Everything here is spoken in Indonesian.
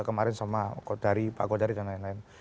kemarin sama dari pak godari dan lain lain